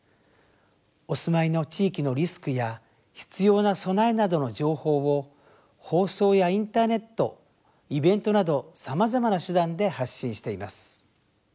お住まいの地域のリスクや必要な備えなどの情報を放送やインターネットイベントなどさまざまな手段で発信しています。